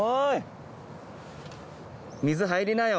水入りなよ。